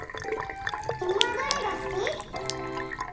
きみはどれがすき？